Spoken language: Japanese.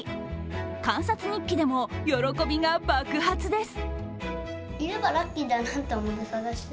観察日記でも喜びが爆発です。